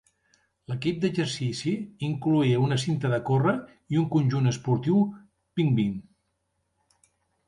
L'equip d'exercici incloïa una cinta de córrer i un conjunt esportiu Pingvin.